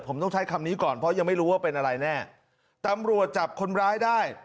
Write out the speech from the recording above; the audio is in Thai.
ผมต้องใช้คำนี้ก่อนเพราะยังไม่รู้ว่าเป็นอะไรแน่ตำรวจจับคนร้ายได้